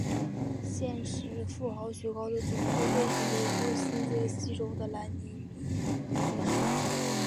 现时富豪雪糕的总部位于美国新泽西州的兰尼米德市。